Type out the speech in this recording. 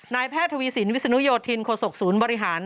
แพทย์ทวีสินวิศนุโยธินโคศกศูนย์บริหาร